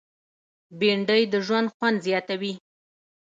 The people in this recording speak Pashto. بېنډۍ د ژوند خوند زیاتوي